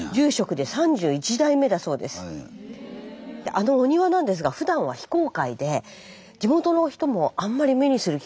あのお庭なんですがふだんは非公開で地元の人もあんまり目にする機会はないんだそうです。